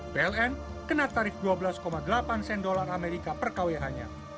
pln kena tarif dua belas delapan sen dolar amerika per kwh nya